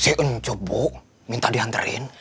si ncup bu minta dihanterin